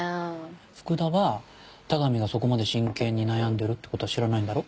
福田は田上がそこまで真剣に悩んでるってことは知らないんだろ？